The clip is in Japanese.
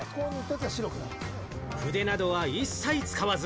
筆などは一切使わず。